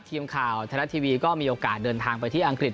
ทีมข่าวไทยรัฐทีวีก็มีโอกาสเดินทางไปที่อังกฤษ